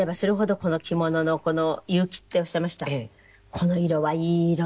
この色はいい色ね。